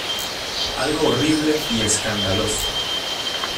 Algo horrible y escandaloso.